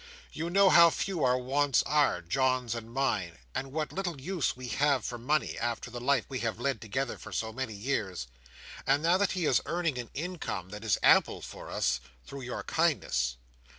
You know how few our wants are—John's and mine—and what little use we have for money, after the life we have led together for so many years; and now that he is earning an income that is ample for us, through your kindness.